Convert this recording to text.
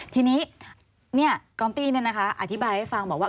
ทีนี้เนี่ยกอมตี้นี่นะคะอธิบายให้ฟังบอกว่า